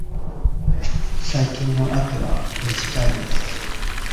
最近の秋は短いです。